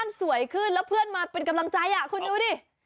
มันสวยขึ้นแล้วเพื่อนมาเป็นกำลังใจคุณดูดิ